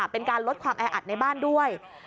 เป็นการลดความแออัดในบ้านด้วย